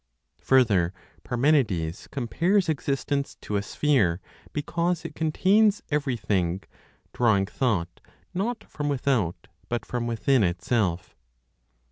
Further, Parmenides compares existence to a sphere, because it contains everything, drawing thought not from without, but from within itself.